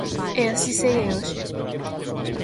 E así segue hoxe.